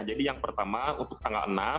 jadi yang pertama untuk tanggal enam